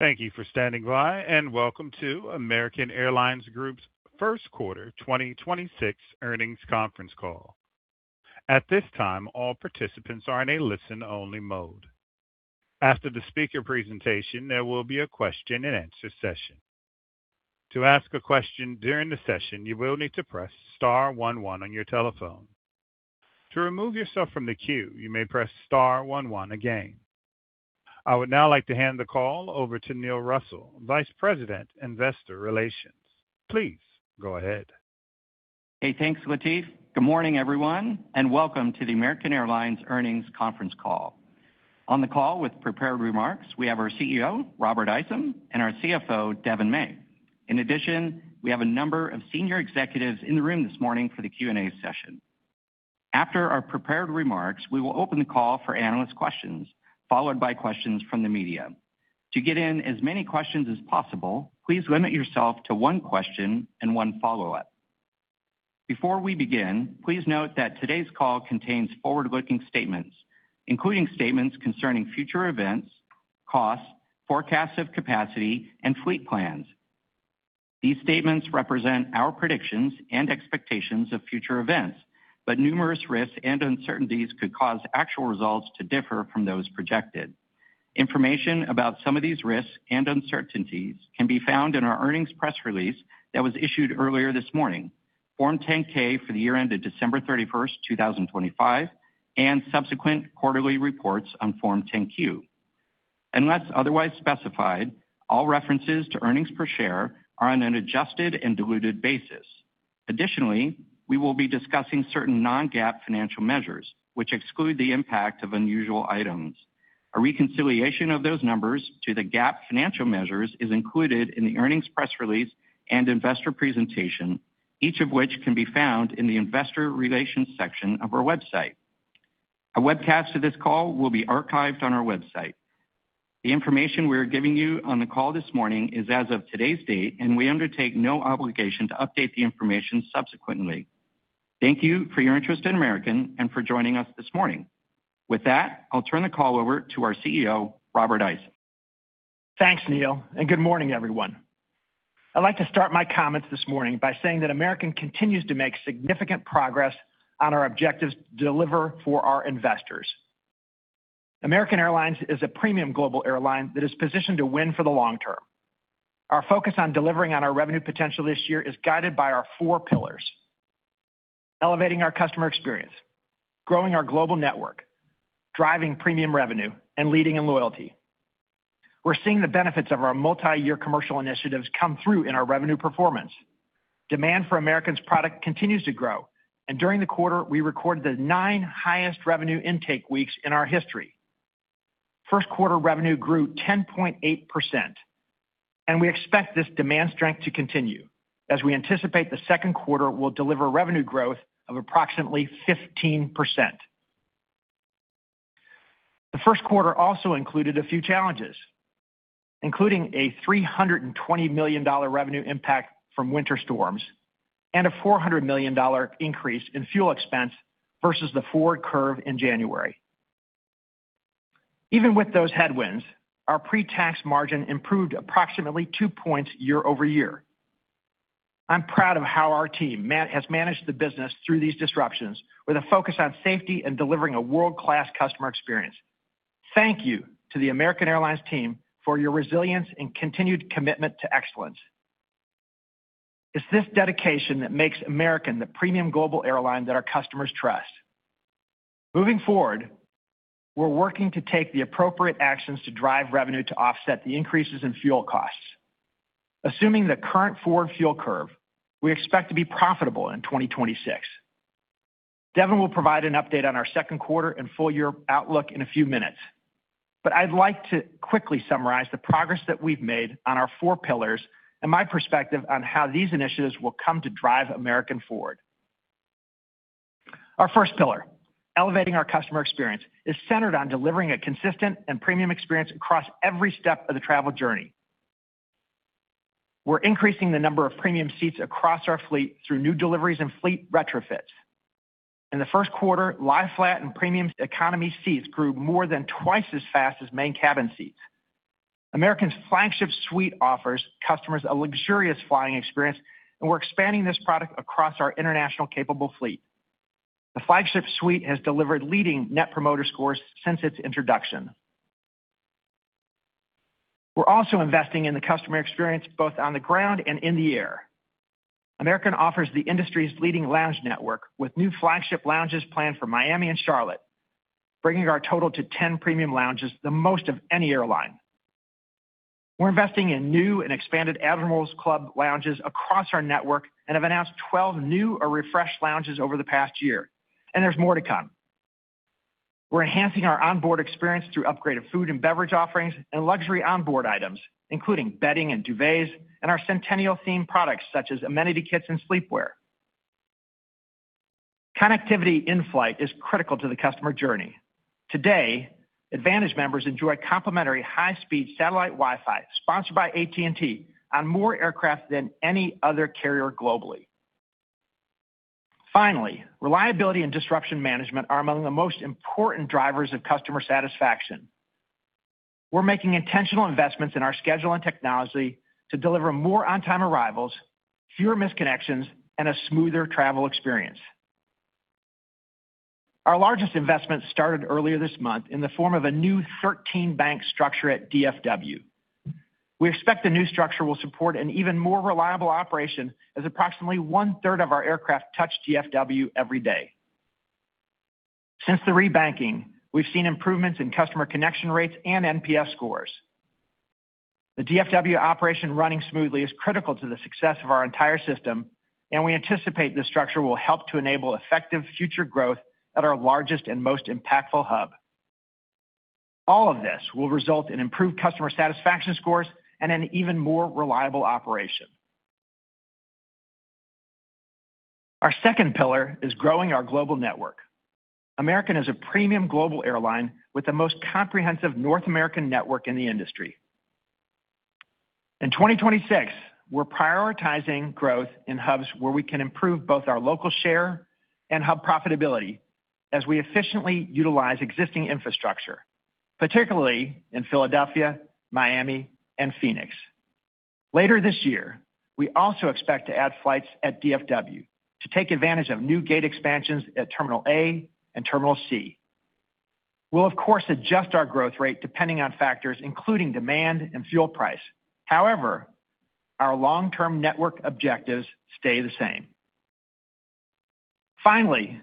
Thank you for standing by, and welcome to American Airlines Group's first quarter 2026 earnings conference call. At this time, all participants are in a listen-only mode. After the speaker presentation, there will be a question-and-answer session. To ask a question during the session, you will need to press star one one on your telephone. To remove yourself from the queue, you may press star one one again. I would now like to hand the call over to Neil Russell, Vice President, Investor Relations. Please go ahead. Hey, thanks, Latif. Good morning, everyone, and welcome to the American Airlines earnings conference call. On the call with prepared remarks, we have our CEO, Robert Isom, and our CFO, Devon May. In addition, we have a number of senior executives in the room this morning for the Q&A session. After our prepared remarks, we will open the call for analyst questions, followed by questions from the media. To get in as many questions as possible, please limit yourself to one question and one follow-up. Before we begin, please note that today's call contains forward-looking statements, including statements concerning future events, costs, forecasts of capacity, and fleet plans. These statements represent our predictions and expectations of future events, but numerous risks and uncertainties could cause actual results to differ from those projected. Information about some of these risks and uncertainties can be found in our Earnings Press Release that was issued earlier this morning, Form 10-K for the year ended December 31st, 2025, and subsequent quarterly reports on Form 10-Q. Unless otherwise specified, all references to earnings per share are on an adjusted and diluted basis. Additionally, we will be discussing certain non-GAAP financial measures which exclude the impact of unusual items. A reconciliation of those numbers to the GAAP financial measures is included in the Earnings Press Release and Investor Presentation, each of which can be found in the investor relations section of our website. A webcast of this call will be archived on our website. The information we are giving you on the call this morning is as of today's date, and we undertake no obligation to update the information subsequently. Thank you for your interest in American and for joining us this morning. With that, I'll turn the call over to our CEO, Robert Isom. Thanks, Neil, and good morning, everyone. I'd like to start my comments this morning by saying that American continues to make significant progress on our objectives to deliver for our investors. American Airlines is a premium global airline that is positioned to win for the long term. Our focus on delivering on our revenue potential this year is guided by our four pillars, elevating our customer experience, growing our global network, driving premium revenue, and leading in loyalty. We're seeing the benefits of our multi-year commercial initiatives come through in our revenue performance. Demand for American's product continues to grow, and during the quarter, we recorded the nine highest revenue intake weeks in our history. First quarter revenue grew 10.8%, and we expect this demand strength to continue as we anticipate the second quarter will deliver revenue growth of approximately 15%. The first quarter also included a few challenges, including a $320 million revenue impact from winter storms and a $400 million increase in fuel expense versus the forward curve in January. Even with those headwinds, our pre-tax margin improved approximately 2 points year-over-year. I'm proud of how our team has managed the business through these disruptions with a focus on safety and delivering a world-class customer experience. Thank you to the American Airlines team for your resilience and continued commitment to excellence. It's this dedication that makes American the premium global airline that our customers trust. Moving forward, we're working to take the appropriate actions to drive revenue to offset the increases in fuel costs. Assuming the current forward fuel curve, we expect to be profitable in 2026. Devon will provide an update on our second quarter and full-year outlook in a few minutes, but I'd like to quickly summarize the progress that we've made on our four pillars and my perspective on how these initiatives will come to drive American forward. Our first pillar, elevating our customer experience, is centered on delivering a consistent and premium experience across every step of the travel journey. We're increasing the number of premium seats across our fleet through new deliveries and fleet retrofits. In the first quarter, lie-flat and Premium Economy seats grew more than twice as fast as Main Cabin seats. American's Flagship Suite offers customers a luxurious flying experience, and we're expanding this product across our international capable fleet. The Flagship Suite has delivered leading net promoter scores since its introduction. We're also investing in the customer experience both on the ground and in the air. American offers the industry's leading lounge network with new flagship lounges planned for Miami and Charlotte, bringing our total to 10 premium lounges, the most of any airline. We're investing in new and expanded Admirals Club lounges across our network and have announced 12 new or refreshed lounges over the past year. There's more to come. We're enhancing our onboard experience through upgraded food and beverage offerings and luxury onboard items, including bedding and duvets and our centennial-themed products such as amenity kits and sleepwear. Connectivity in-flight is critical to the customer journey. Today, AAdvantage members enjoy complimentary high-speed satellite Wi-Fi sponsored by AT&T on more aircraft than any other carrier globally. Finally, reliability and disruption management are among the most important drivers of customer satisfaction. We're making intentional investments in our schedule and technology to deliver more on-time arrivals, fewer missed connections, and a smoother travel experience. Our largest investment started earlier this month in the form of a new 13-bank structure at DFW. We expect the new structure will support an even more reliable operation as approximately 1/3 of our aircraft touch DFW every day. Since the re-banking, we've seen improvements in customer connection rates and NPS scores. The DFW operation running smoothly is critical to the success of our entire system, and we anticipate this structure will help to enable effective future growth at our largest and most impactful hub. All of this will result in improved customer satisfaction scores and an even more reliable operation. Our second pillar is growing our global network. American is a premium global airline with the most comprehensive North American network in the industry. In 2026, we're prioritizing growth in hubs where we can improve both our local share and hub profitability as we efficiently utilize existing infrastructure, particularly in Philadelphia, Miami, and Phoenix. Later this year, we also expect to add flights at DFW to take advantage of new gate expansions at Terminal A and Terminal C. We'll of course adjust our growth rate depending on factors including demand and fuel price. However, our long-term network objectives stay the same. Finally,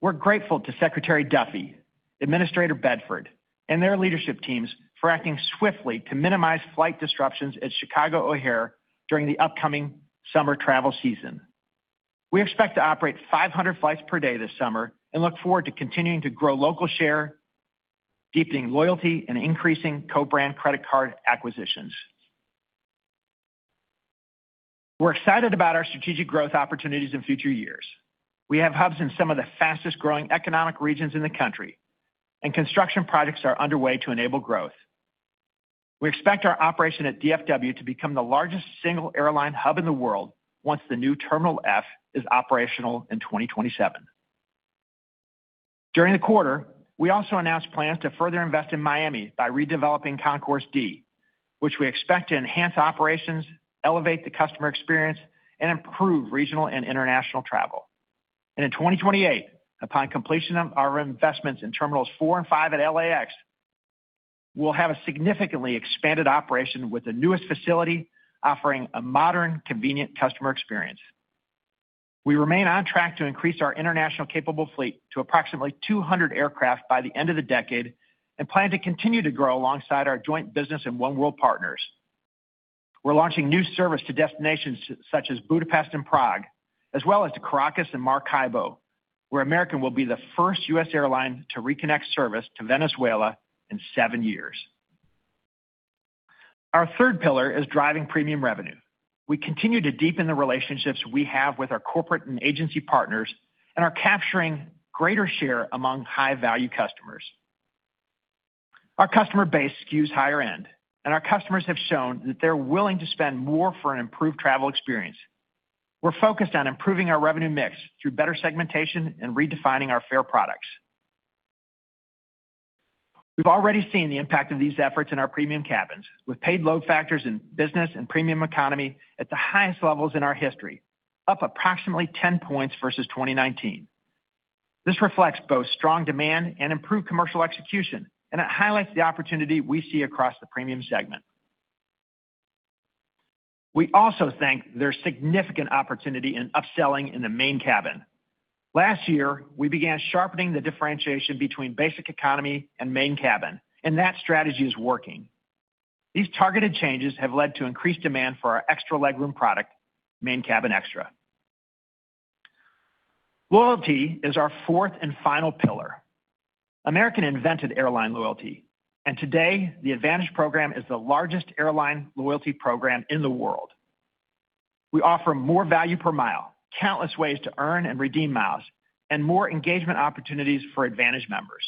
we're grateful to Secretary Duffy, Administrator Bedford, and their leadership teams for acting swiftly to minimize flight disruptions at Chicago O'Hare during the upcoming summer travel season. We expect to operate 500 flights per day this summer and look forward to continuing to grow local share, deepening loyalty, and increasing co-brand credit card acquisitions. We're excited about our strategic growth opportunities in future years. We have hubs in some of the fastest-growing economic regions in the country, and construction projects are underway to enable growth. We expect our operation at DFW to become the largest single airline hub in the world once the new Terminal F is operational in 2027. During the quarter, we also announced plans to further invest in Miami by redeveloping Concourse D, which we expect to enhance operations, elevate the customer experience, and improve regional and international travel. In 2028, upon completion of our investments in Terminals 4 and 5 at LAX, we'll have a significantly expanded operation with the newest facility offering a modern, convenient customer experience. We remain on track to increase our international capable fleet to approximately 200 aircraft by the end of the decade and plan to continue to grow alongside our joint business and oneworld partners. We're launching new service to destinations such as Budapest and Prague, as well as to Caracas and Maracaibo, where American will be the first U.S. airline to reconnect service to Venezuela in seven years. Our third pillar is driving premium revenue. We continue to deepen the relationships we have with our corporate and agency partners and are capturing greater share among high-value customers. Our customer base skews higher end, and our customers have shown that they're willing to spend more for an improved travel experience. We're focused on improving our revenue mix through better segmentation and redefining our fare products. We've already seen the impact of these efforts in our premium cabins with paid load factors in business and Premium Economy at the highest levels in our history, up approximately 10 points versus 2019. This reflects both strong demand and improved commercial execution, and it highlights the opportunity we see across the premium segment. We also think there's significant opportunity in upselling in the Main Cabin. Last year, we began sharpening the differentiation between Basic Economy and Main Cabin, and that strategy is working. These targeted changes have led to increased demand for our extra legroom product, Main Cabin Extra. Loyalty is our fourth and final pillar. American invented airline loyalty, and today, the AAdvantage program is the largest airline loyalty program in the world. We offer more value per mile, countless ways to earn and redeem miles, and more engagement opportunities for AAdvantage members.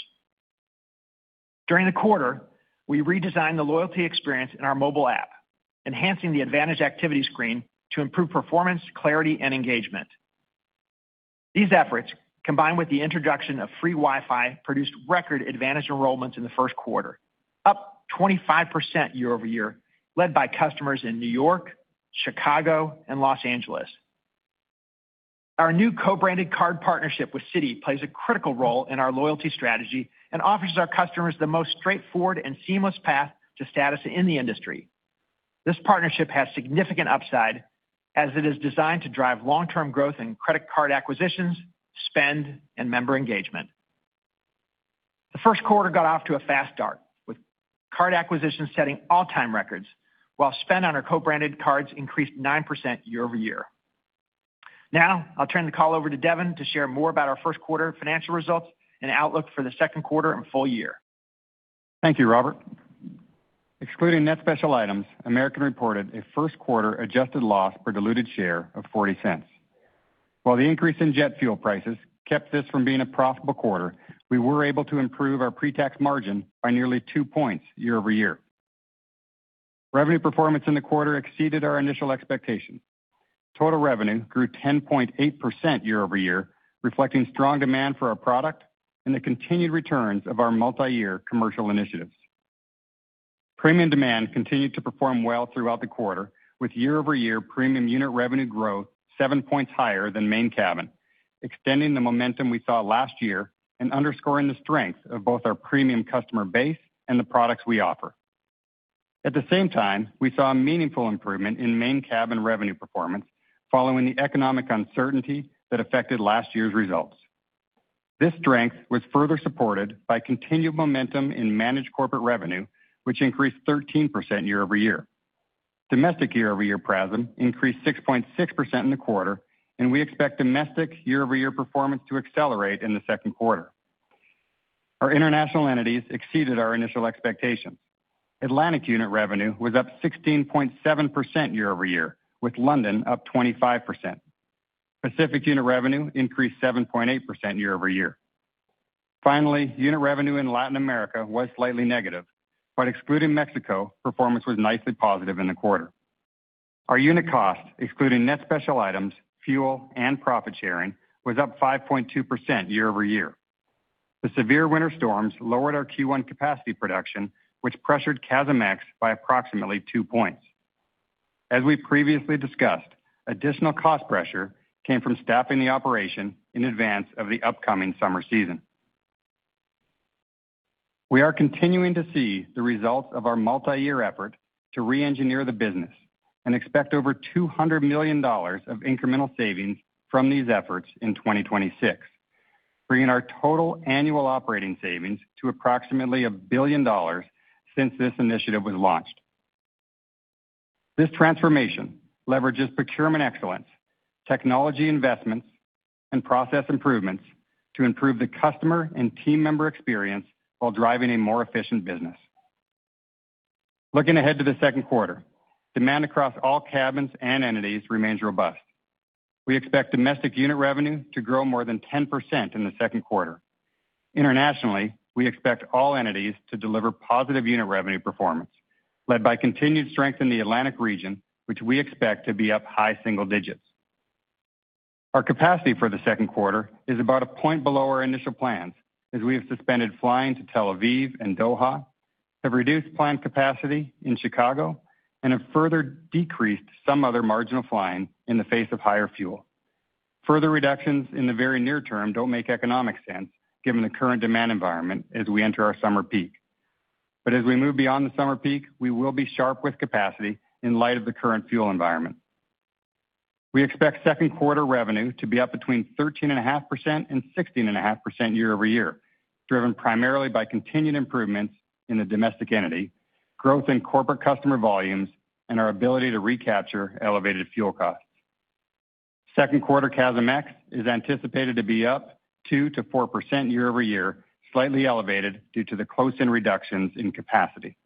During the quarter, we redesigned the loyalty experience in our mobile app, enhancing the AAdvantage activity screen to improve performance, clarity, and engagement. These efforts, combined with the introduction of free Wi-Fi, produced record AAdvantage enrollments in the first quarter, up 25% year over year, led by customers in New York, Chicago, and Los Angeles. Our new co-branded card partnership with Citi plays a critical role in our loyalty strategy and offers our customers the most straightforward and seamless path to status in the industry. This partnership has significant upside as it is designed to drive long-term growth in credit card acquisitions, spend, and member engagement. The first quarter got off to a fast start, with card acquisitions setting all-time records while spend on our co-branded cards increased 9% year over year. Now, I'll turn the call over to Devon to share more about our first quarter financial results and outlook for the second quarter and full year. Thank you, Robert. Excluding net special items, American reported a first quarter adjusted loss per diluted share of $0.40. While the increase in jet fuel prices kept this from being a profitable quarter, we were able to improve our pre-tax margin by nearly two points year-over-year. Revenue performance in the quarter exceeded our initial expectations. Total revenue grew 10.8% year-over-year, reflecting strong demand for our product and the continued returns of our multi-year commercial initiatives. Premium demand continued to perform well throughout the quarter, with year-over-year premium unit revenue growth seven points higher than Main Cabin, extending the momentum we saw last year and underscoring the strength of both our premium customer base and the products we offer. At the same time, we saw a meaningful improvement in Main Cabin revenue performance following the economic uncertainty that affected last year's results. This strength was further supported by continued momentum in Managed Corporate revenue, which increased 13% year-over-year. Domestic year-over-year PRASM increased 6.6% in the quarter, and we expect domestic year-over-year performance to accelerate in the second quarter. Our international entities exceeded our initial expectations. Atlantic unit revenue was up 16.7% year-over-year, with London up 25%. Pacific unit revenue increased 7.8% year-over-year. Finally, unit revenue in Latin America was slightly negative, but excluding Mexico, performance was nicely positive in the quarter. Our unit cost, excluding net special items, fuel, and profit sharing, was up 5.2% year-over-year. The severe winter storms lowered our Q1 capacity production, which pressured CASM ex by approximately 2 points. As we previously discussed, additional cost pressure came from staffing the operation in advance of the upcoming summer season. We are continuing to see the results of our multi-year effort to re-engineer the business and expect over $200 million of incremental savings from these efforts in 2026, bringing our total annual operating savings to approximately $1 billion since this initiative was launched. This transformation leverages procurement excellence, technology investments, and process improvements to improve the customer and team member experience while driving a more efficient business. Looking ahead to the second quarter, demand across all cabins and entities remains robust. We expect domestic unit revenue to grow more than 10% in the second quarter. Internationally, we expect all entities to deliver positive unit revenue performance, led by continued strength in the Atlantic region, which we expect to be up high single digits. Our capacity for the second quarter is about a point below our initial plans as we have suspended flying to Tel Aviv and Doha, have reduced planned capacity in Chicago, and have further decreased some other marginal flying in the face of higher fuel. Further reductions in the very near term don't make economic sense given the current demand environment as we enter our summer peak. As we move beyond the summer peak, we will be sharp with capacity in light of the current fuel environment. We expect second quarter revenue to be up between 13.5% and 16.5% year-over-year, driven primarily by continued improvements in the domestic entity, growth in corporate customer volumes, and our ability to recapture elevated fuel costs. Second quarter CASM ex is anticipated to be up 2%-4% year-over-year, slightly elevated due to the close-in reductions in capacity.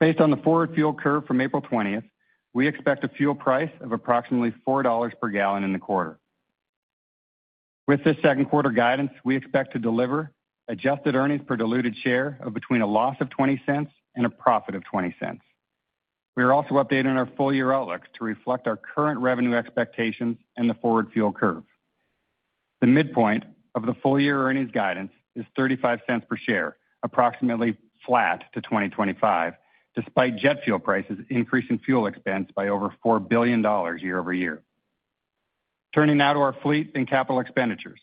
Based on the forward fuel curve from April 20th, we expect a fuel price of approximately $4 per gallon in the quarter. With this second quarter guidance, we expect to deliver adjusted earnings per diluted share of between a loss of $0.20 and a profit of $0.20. We are also updating our full-year outlook to reflect our current revenue expectations and the forward fuel curve. The midpoint of the full-year earnings guidance is $0.35 per share, approximately flat to 2025, despite jet fuel prices increasing fuel expense by over $4 billion year-over-year. Turning now to our fleet and capital expenditures.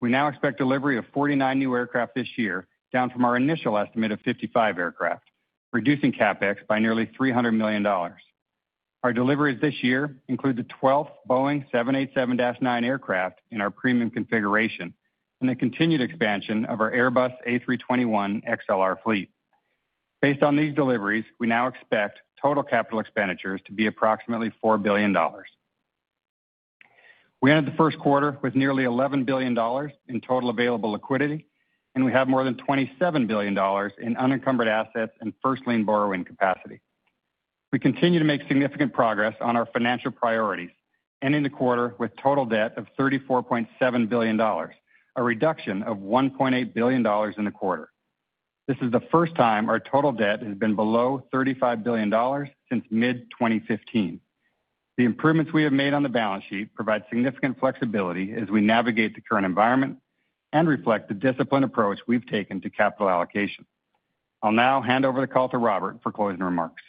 We now expect delivery of 49 new aircraft this year, down from our initial estimate of 55 aircraft, reducing CapEx by nearly $300 million. Our deliveries this year include the 12th Boeing 787-9 aircraft in our premium configuration and the continued expansion of our Airbus A321XLR fleet. Based on these deliveries, we now expect total capital expenditures to be approximately $4 billion. We ended the first quarter with nearly $11 billion in total available liquidity, and we have more than $27 billion in unencumbered assets and first-lien borrowing capacity. We continue to make significant progress on our financial priorities, ending the quarter with total debt of $34.7 billion, a reduction of $1.8 billion in the quarter. This is the first time our total debt has been below $35 billion since mid-2015. The improvements we have made on the balance sheet provide significant flexibility as we navigate the current environment and reflect the disciplined approach we've taken to capital allocation. I'll now hand over the call to Robert for closing remarks.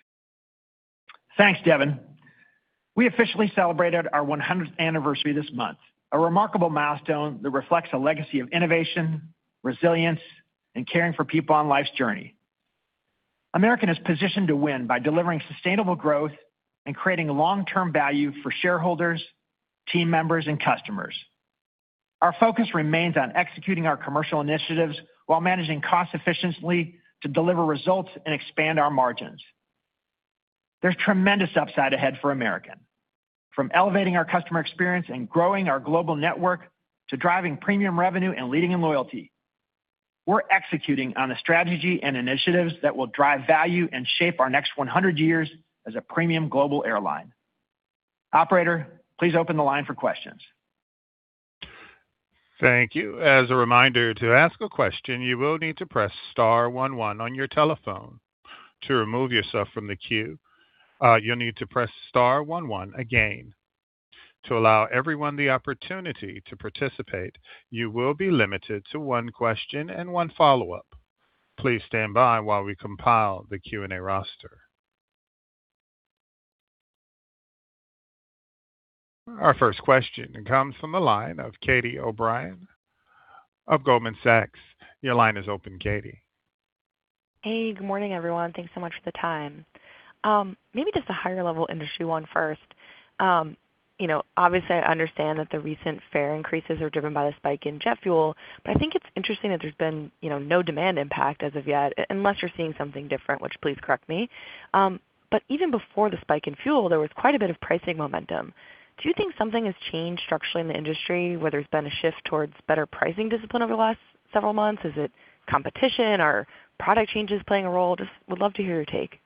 Thanks, Devon. We officially celebrated our 100th anniversary this month, a remarkable milestone that reflects a legacy of innovation, resilience, and caring for people on life's journey. American is positioned to win by delivering sustainable growth and creating long-term value for shareholders, team members, and customers. Our focus remains on executing our commercial initiatives while managing costs efficiently to deliver results and expand our margins. There's tremendous upside ahead for American, from elevating our customer experience and growing our global network to driving premium revenue and leading in loyalty. We're executing on a strategy and initiatives that will drive value and shape our next 100 years as a premium global airline. Operator, please open the line for questions. Thank you. As a reminder, to ask a question, you will need to press star one one on your telephone. To remove yourself from the queue, you'll need to press star one one again. To allow everyone the opportunity to participate, you will be limited to one question and one follow-up. Please stand by while we compile the Q&A roster. Our first question comes from the line of Catie O'Brien of Goldman Sachs. Your line is open, Catie. Hey, good morning, everyone. Thanks so much for the time. Maybe just a higher-level industry one first. Obviously, I understand that the recent fare increases are driven by the spike in jet fuel, but I think it's interesting that there's been no demand impact as of yet, unless you're seeing something different, which, please, correct me. Even before the spike in fuel, there was quite a bit of pricing momentum. Do you think something has changed structurally in the industry, whether it's been a shift towards better pricing discipline over the last several months? Is it competition or product changes playing a role? I just would love to hear your take.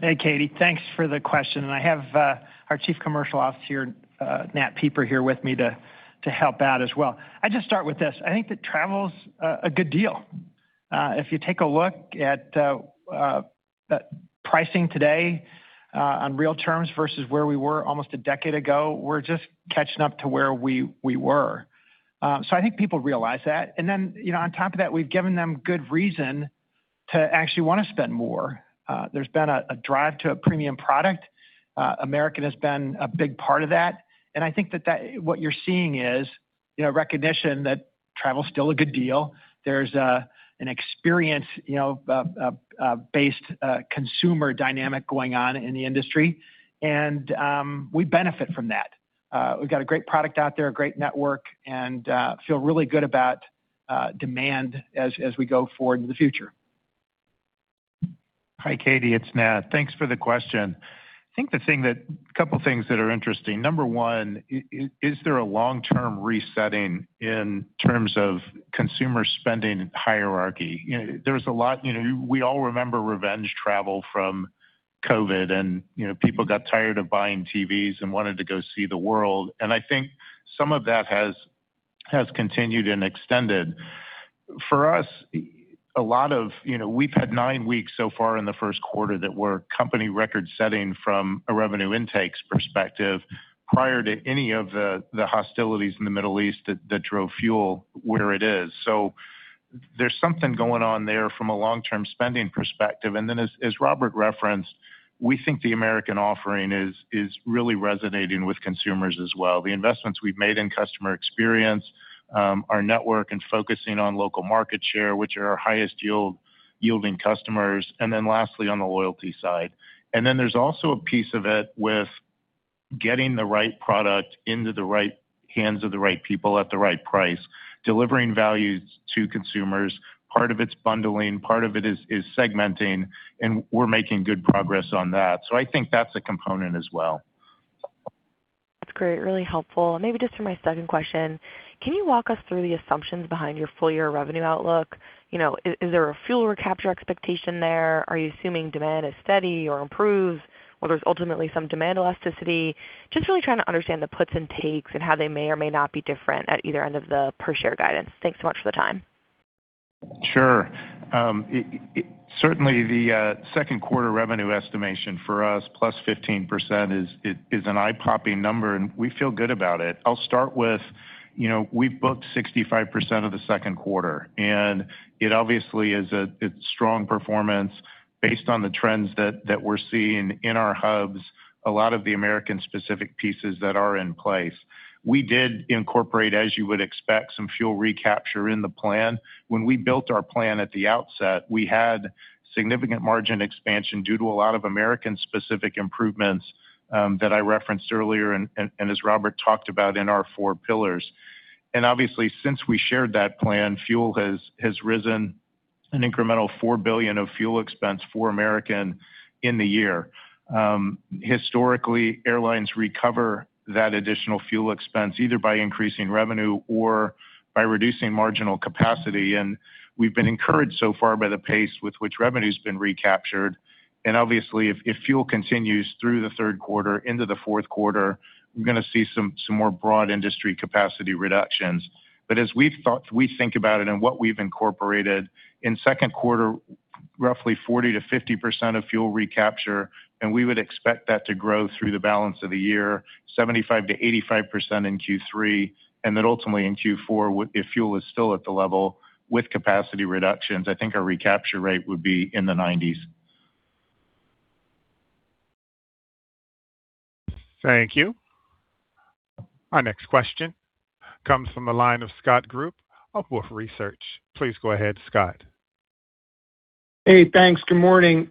Hey, Catie O'Brien. Thanks for the question, and I have our Chief Commercial Officer, Nat Pieper, here with me to help out as well. I'd just start with this. I think that travel's a good deal. If you take a look at pricing today on real terms versus where we were almost a decade ago, we're just catching up to where we were. I think people realize that. Then, on top of that, we've given them good reason to actually want to spend more. There's been a drive to a premium product. American has been a big part of that, and I think that what you're seeing is recognition that travel's still a good deal. There's an experience-based consumer dynamic going on in the industry, and we benefit from that. We've got a great product out there, a great network, and feel really good about demand as we go forward in the future. Hi, Catie, it's Nat. Thanks for the question. I think a couple of things that are interesting. Number one, is there a long-term resetting in terms of consumer spending hierarchy? We all remember revenge travel from COVID and people got tired of buying TVs and wanted to go see the world. I think some of that has continued and extended. For us, we've had nine weeks so far in the first quarter that were company record-setting from a revenue intakes perspective prior to any of the hostilities in the Middle East that drove fuel where it is. There's something going on there from a long-term spending perspective. Then as Robert referenced, we think the American offering is really resonating with consumers as well. The investments we've made in customer experience, our network, and focusing on local market share, which are our highest-yielding customers, and then lastly, on the loyalty side. Then there's also a piece of it with getting the right product into the right hands of the right people at the right price, delivering value to consumers. Part of it's bundling, part of it is segmenting, and we're making good progress on that. I think that's a component as well. That's great. Really helpful. Maybe just for my second question, can you walk us through the assumptions behind your full-year revenue outlook? Is there a fuel recapture expectation there? Are you assuming demand is steady or improves or there's ultimately some demand elasticity? Just really trying to understand the puts and takes and how they may or may not be different at either end of the per-share guidance. Thanks so much for the time. Sure. Certainly, the second quarter revenue estimation for us, +15%, is an eye-popping number, and we feel good about it. I'll start with we've booked 65% of the second quarter, and it obviously is a strong performance based on the trends that we're seeing in our hubs, a lot of the American-specific pieces that are in place. We did incorporate, as you would expect, some fuel recapture in the plan. When we built our plan at the outset, we had significant margin expansion due to a lot of American-specific improvements that I referenced earlier and as Robert talked about in our four pillars. Obviously, since we shared that plan, fuel has risen an incremental $4 billion of fuel expense for American in the year. Historically, airlines recover that additional fuel expense either by increasing revenue or by reducing marginal capacity, and we've been encouraged so far by the pace with which revenue's been recaptured. Obviously, if fuel continues through the third quarter into the fourth quarter, we're going to see some more broad industry capacity reductions. As we think about it and what we've incorporated, in the second quarter, roughly 40%-50% of fuel recapture, and we would expect that to grow through the balance of the year, 75%-85% in Q3, and then ultimately in Q4, if fuel is still at the level with capacity reductions, I think our recapture rate would be in the 90s%. Thank you. Our next question comes from the line of Scott Group of Wolfe Research. Please go ahead, Scott. Hey, thanks. Good morning.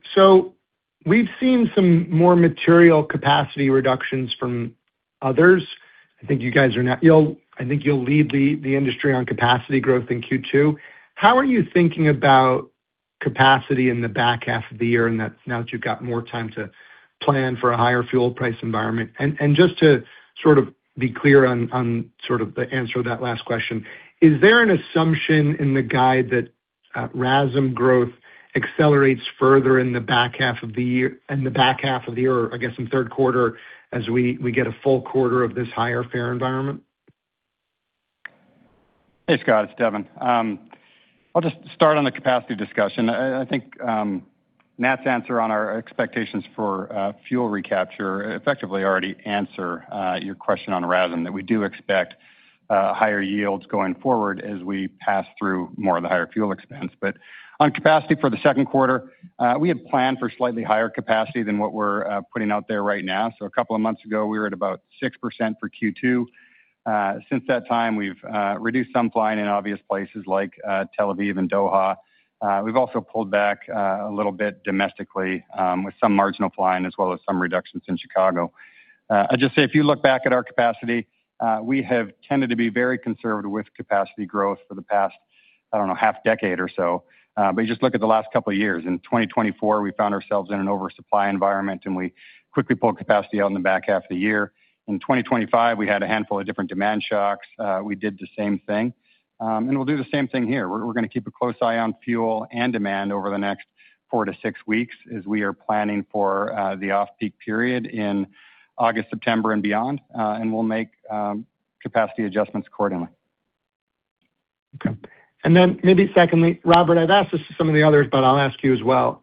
We've seen some more material capacity reductions from others. I think you'll lead the industry on capacity growth in Q2. How are you thinking about capacity in the back half of the year now that you've got more time to plan for a higher fuel price environment? Just to sort of be clear on sort of the answer to that last question, is there an assumption in the guide that RASM growth accelerates further in the back half of the year, I guess in the third quarter, as we get a full quarter of this higher fare environment? Hey, Scott, it's Devon. I'll just start on the capacity discussion. I think Nat's answer on our expectations for fuel recapture effectively already answer your question on RASM, that we do expect higher yields going forward as we pass through more of the higher fuel expense. On capacity for the second quarter, we had planned for slightly higher capacity than what we're putting out there right now. A couple of months ago, we were at about 6% for Q2. Since that time, we've reduced some flying in obvious places like Tel Aviv and Doha. We've also pulled back a little bit domestically with some marginal flying as well as some reductions in Chicago. I'd just say, if you look back at our capacity, we have tended to be very conservative with capacity growth for the past, I don't know, half decade or so. Just look at the last couple of years. In 2024, we found ourselves in an oversupply environment, and we quickly pulled capacity out in the back half of the year. In 2025, we had a handful of different demand shocks. We did the same thing. We'll do the same thing here. We're going to keep a close eye on fuel and demand over the next 4-6 weeks as we are planning for the off-peak period in August, September, and beyond. We'll make capacity adjustments accordingly. Okay. Maybe secondly, Robert, I've asked this to some of the others, but I'll ask you as well.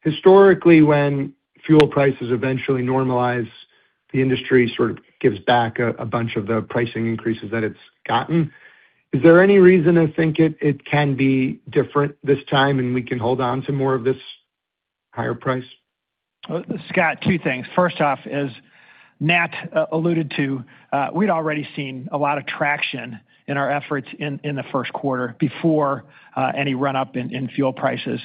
Historically, when fuel prices eventually normalize, the industry sort of gives back a bunch of the pricing increases that it's gotten. Is there any reason to think it can be different this time, and we can hold on to more of this higher price? Scott, two things. First off, as Nat alluded to, we'd already seen a lot of traction in our efforts in the first quarter before any run-up in fuel prices.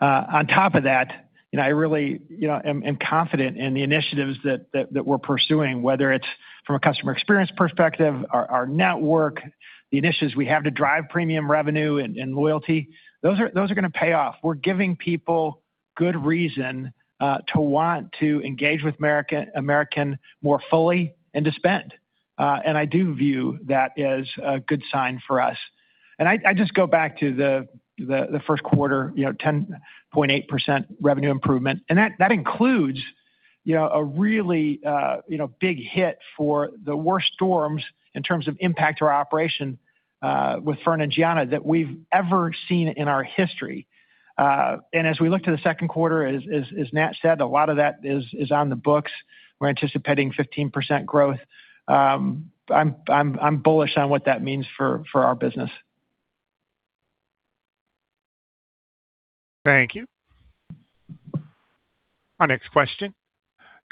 On top of that, I really am confident in the initiatives that we're pursuing, whether it's from a customer experience perspective, our network, the initiatives we have to drive premium revenue and loyalty. Those are going to pay off. We're giving people good reason to want to engage with American more fully and to spend. I do view that as a good sign for us. I just go back to the first quarter, 10.8% revenue improvement. That includes a really big hit for the worst storms in terms of impact to our operation with Fern and Gianna that we've ever seen in our history. As we look to the second quarter, as Nat said, a lot of that is on the books. We're anticipating 15% growth. I'm bullish on what that means for our business. Thank you. Our next question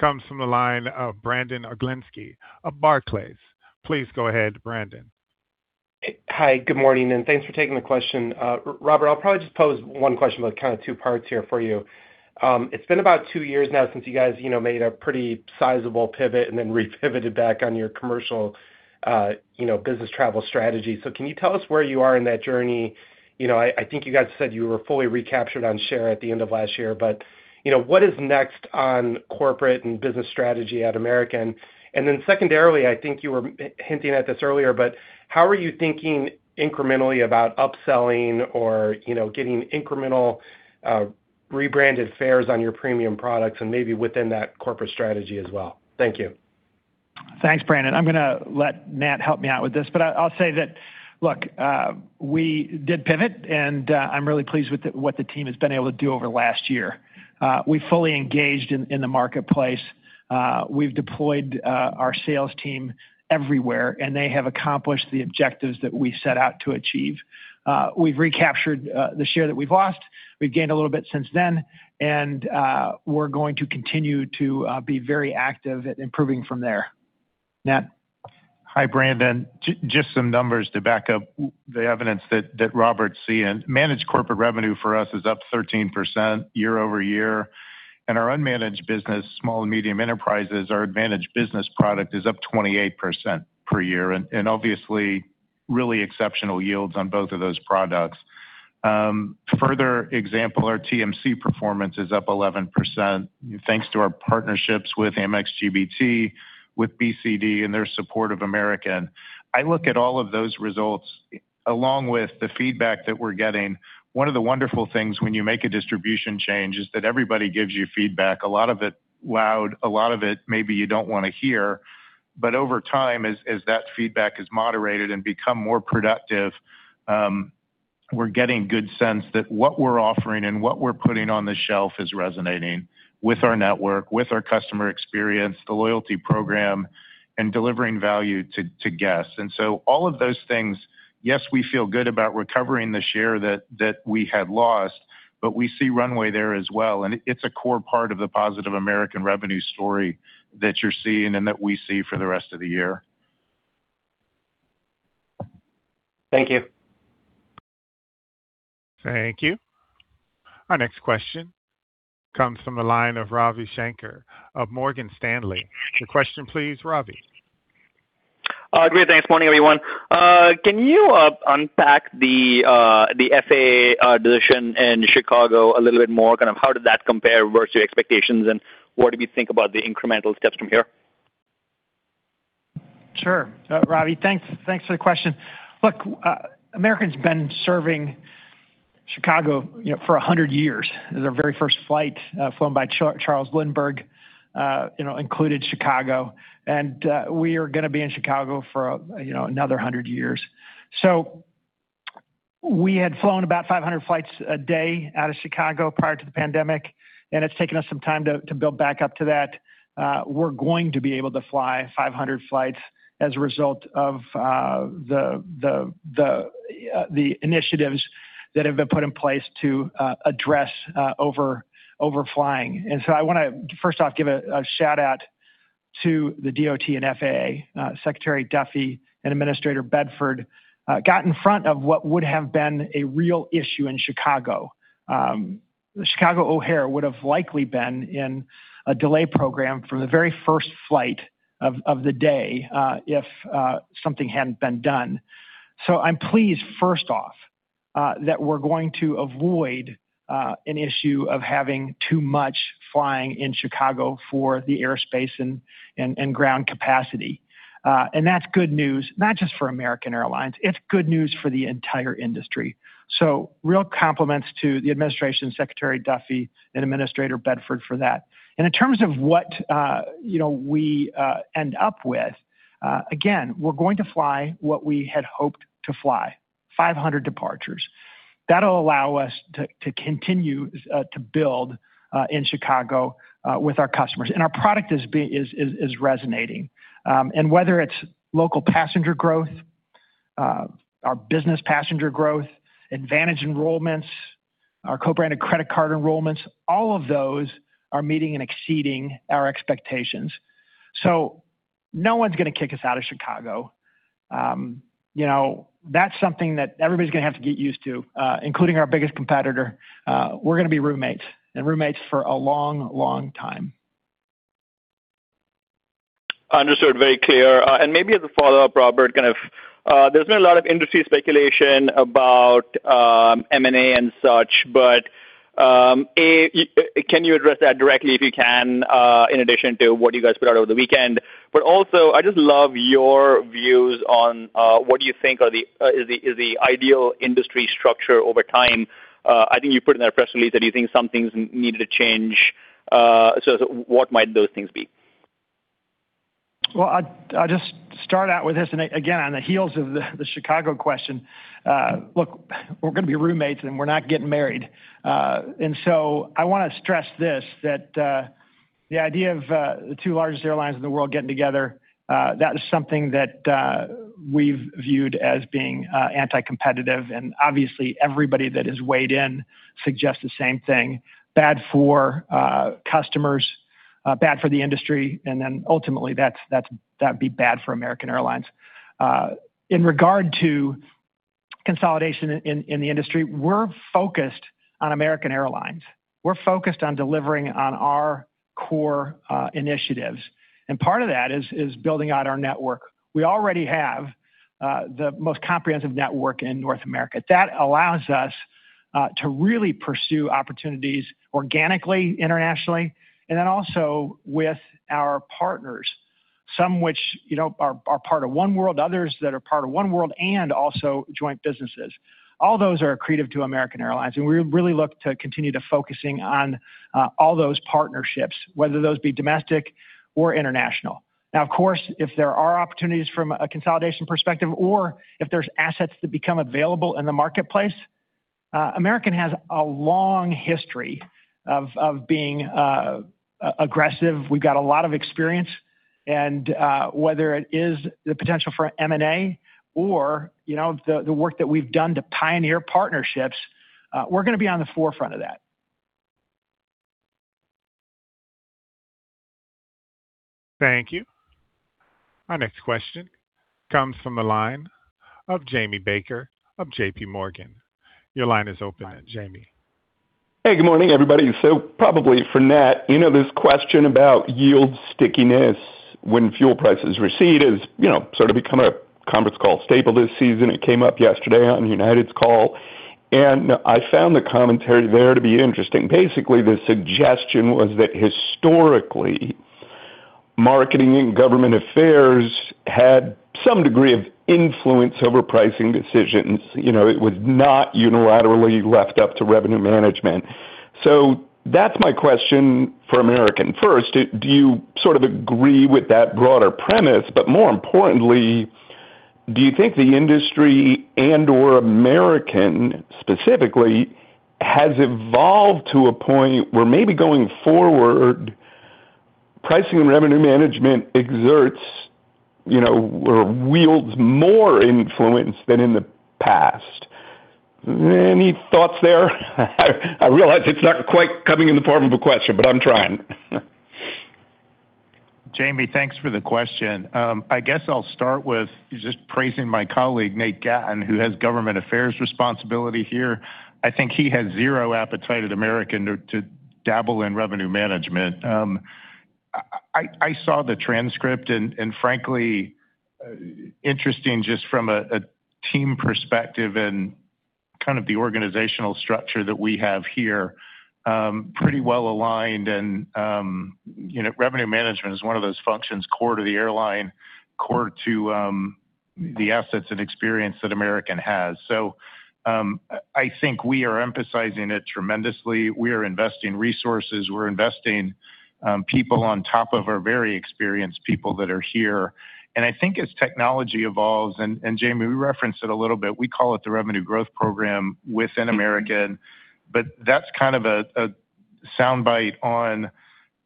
comes from the line of Brandon Oglenski of Barclays. Please go ahead, Brandon. Hi, good morning, and thanks for taking the question. Robert, I'll probably just pose one question, but kind of two parts here for you. It's been about two years now since you guys made a pretty sizable pivot and then re-pivoted back on your commercial business travel strategy. Can you tell us where you are in that journey? I think you guys said you were fully recaptured on share at the end of last year, but what is next on corporate and business strategy at American? Secondarily, I think you were hinting at this earlier, but how are you thinking incrementally about upselling or getting incremental rebranded fares on your premium products and maybe within that corporate strategy as well? Thank you. Thanks, Brandon. I'm going to let Nat help me out with this. I'll say that, look, we did pivot, and I'm really pleased with what the team has been able to do over the last year. We fully engaged in the marketplace. We've deployed our sales team everywhere, and they have accomplished the objectives that we set out to achieve. We've recaptured the share that we've lost. We've gained a little bit since then, and we're going to continue to be very active at improving from there. Nat. Hi, Brandon. Just some numbers to back up the evidence that Robert's seeing. Managed Corporate revenue for us is up 13% year-over-year, and our unmanaged business, Small and Medium Enterprises, our managed business product is up 28% per year. Obviously, really exceptional yields on both of those products. Further example, our TMC performance is up 11% thanks to our partnerships with Amex GBT, with BCD, and their support of American. I look at all of those results along with the feedback that we're getting. One of the wonderful things when you make a distribution change is that everybody gives you feedback. A lot of it loud, a lot of it maybe you don't want to hear. Over time, as that feedback is moderated and become more productive, we're getting good sense that what we're offering and what we're putting on the shelf is resonating with our network, with our customer experience, the loyalty program, and delivering value to guests. All of those things, yes, we feel good about recovering the share that we had lost, but we see runway there as well, and it's a core part of the positive American revenue story that you're seeing and that we see for the rest of the year. Thank you. Thank you. Our next question comes from the line of Ravi Shanker of Morgan Stanley. Your question, please, Ravi. Great. Thanks. Morning, everyone. Can you unpack the FAA decision in Chicago a little bit more? Kind of how did that compare versus your expectations, and what do you think about the incremental steps from here? Sure. Ravi, thanks for the question. Look, American's been serving Chicago for 100 years. Their very first flight, flown by Charles Lindbergh, included Chicago. We are going to be in Chicago for another 100 years. We had flown about 500 flights a day out of Chicago prior to the pandemic, and it's taken us some time to build back up to that. We're going to be able to fly 500 flights as a result of the initiatives that have been put in place to address overflying. I want to first off, give a shout-out to the DOT and FAA. Secretary Duffy and Administrator Bedford got in front of what would have been a real issue in Chicago. Chicago O'Hare would have likely been in a delay program from the very first flight of the day if something hadn't been done. I'm pleased, first off, that we're going to avoid an issue of having too much flying in Chicago for the airspace and ground capacity. That's good news not just for American Airlines, it's good news for the entire industry. Real compliments to the administration, Secretary Duffy, and Administrator Bedford for that. In terms of what we end up with, again, we're going to fly what we had hoped to fly, 500 departures. That'll allow us to continue to build in Chicago with our customers. Our product is resonating. Whether it's local passenger growth, our business passenger growth, advantage enrollments, our co-branded credit card enrollments, all of those are meeting and exceeding our expectations. No one's going to kick us out of Chicago. That's something that everybody's going to have to get used to, including our biggest competitor. We're going to be roommates, and roommates for a long time. Understood. Very clear. Maybe as a follow-up, Robert, kind of, there's been a lot of industry speculation about M&A and such, but A, can you address that directly if you can, in addition to what you guys put out over the weekend? Also, I just love your views on what you think is the ideal industry structure over time. I think you put in that press release that you think some things needed to change. What might those things be? Well, I'll just start out with this, and again, on the heels of the Chicago question. Look, we're going to be roommates and we're not getting married. I want to stress this, that the idea of the two largest airlines in the world getting together, that is something that we've viewed as being anti-competitive. Obviously everybody that has weighed in suggests the same thing. Bad for customers, bad for the industry, and then ultimately that'd be bad for American Airlines. In regard to consolidation in the industry, we're focused on American Airlines. We're focused on delivering on our core initiatives. Part of that is building out our network. We already have the most comprehensive network in North America. That allows us to really pursue opportunities organically, internationally, and then also with our partners, some which are part of oneworld, others that are part of oneworld and also joint businesses. All those are accretive to American Airlines, and we really look to continue to focusing on all those partnerships, whether those be domestic or international. Now, of course, if there are opportunities from a consolidation perspective or if there's assets that become available in the marketplace, American has a long history of being aggressive. We've got a lot of experience, and whether it is the potential for M&A or the work that we've done to pioneer partnerships, we're going to be on the forefront of that. Thank you. Our next question comes from the line of Jamie Baker of JPMorgan. Your line is open, Jamie. Hey, good morning, everybody. Probably for Nat, this question about yield stickiness when fuel prices recede has sort of become a conference call staple this season. It came up yesterday on United's call, and I found the commentary there to be interesting. Basically, the suggestion was that historically, marketing and government affairs had some degree of influence over pricing decisions. It was not unilaterally left up to revenue management. That's my question for American. First, do you sort of agree with that broader premise, but more importantly, do you think the industry and/or American specifically has evolved to a point where maybe going forward, pricing and revenue management exerts or wields more influence than in the past? Any thoughts there? I realize it's not quite coming in the form of a question, but I'm trying. Jamie, thanks for the question. I guess I'll start with just praising my colleague, Nate Gatten, who has government affairs responsibility here. I think he has zero appetite at American to dabble in revenue management. I saw the transcript, and frankly, interesting just from a team perspective and kind of the organizational structure that we have here, pretty well-aligned and revenue management is one of those functions core to the airline, core to the assets and experience that American has. I think we are emphasizing it tremendously. We are investing resources, we're investing people on top of our very experienced people that are here. I think as technology evolves, and Jamie, we referenced it a little bit, we call it the revenue growth program within American, but that's kind of a soundbite on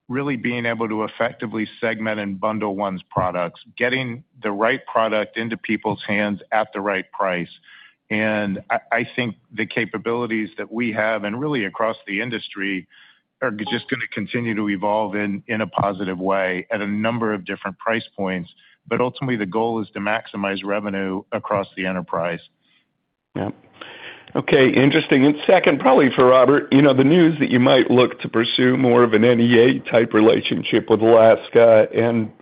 really being able to effectively segment and bundle one's products, getting the right product into people's hands at the right price. I think the capabilities that we have, and really across the industry, are just going to continue to evolve in a positive way at a number of different price points. Ultimately, the goal is to maximize revenue across the enterprise. Yep. Okay, interesting. Second, probably for Robert, the news that you might look to pursue more of an NEA type relationship with Alaska.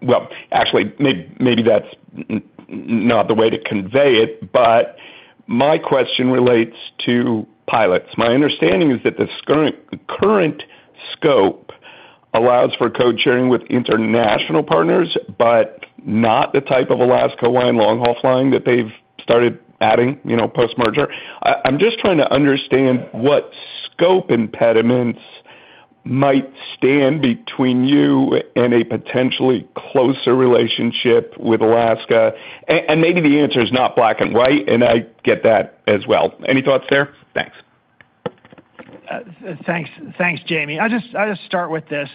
Well, actually, maybe that's not the way to convey it, but my question relates to pilots. My understanding is that the current scope allows for code sharing with international partners, but not the type of Alaska line long-haul flying that they've started adding post-merger. I'm just trying to understand what scope impediments might stand between you and a potentially closer relationship with Alaska. Maybe the answer is not black and white, and I get that as well. Any thoughts there? Thanks. Thanks, Jamie. I'll just start with this.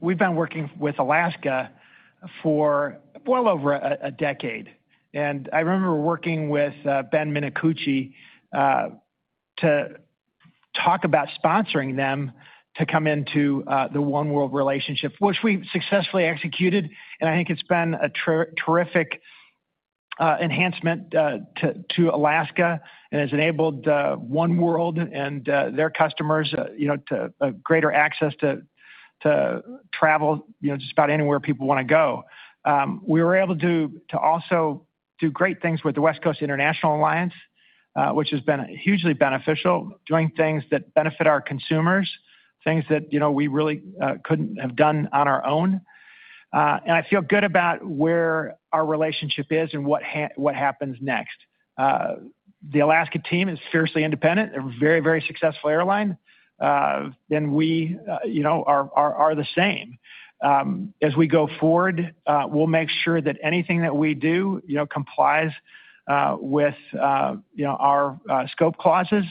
We've been working with Alaska for well over a decade, and I remember working with Ben Minicucci to talk about sponsoring them to come into the oneworld relationship, which we successfully executed, and I think it's been a terrific enhancement to Alaska and has enabled oneworld and their customers greater access to travel just about anywhere people want to go. We were able to also do great things with the West Coast International Alliance, which has been hugely beneficial, doing things that benefit our consumers, things that we really couldn't have done on our own. I feel good about where our relationship is and what happens next. The Alaska team is fiercely independent. They're a very successful airline. We are the same. As we go forward, we'll make sure that anything that we do complies with our scope clauses